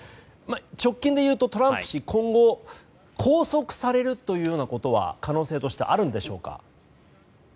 直近でいうとトランプ氏今後、拘束されることは可能性としてあるんでしょうか。